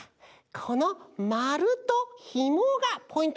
このまるとひもがポイントなんだね。